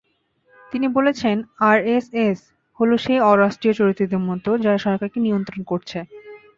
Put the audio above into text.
তিনি বলেছেন, আরএসএস হলো সেই অরাষ্ট্রীয় চরিত্রদের মতো, যারা সরকারকে নিয়ন্ত্রণ করছে।